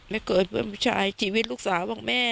ไม่เกิดเพื่อนผู้ชายชีวิตลูกสาวบ้างแม่